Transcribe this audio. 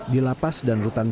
di lapas dan rutabaga